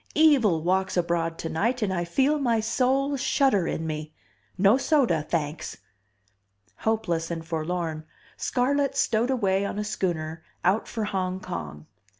Evil walks abroad tonight and I feel my soul shudder in me. No soda, thanks!" Hopeless and forlorn, Scarlett stowed away on a schooner out for Hong Kong.